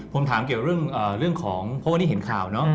ผมถามเรื่องของพวกนี้เห็นข่าวเนอะ